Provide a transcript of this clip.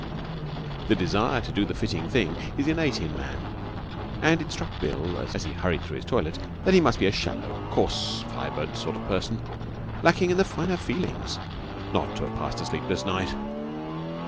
The desire to do the fitting thing is innate in man, and it struck Bill, as he hurried through his toilet, that he must be a shallow, coarse fibred sort of person, lacking in the finer feelings, not to have passed a sleepless night.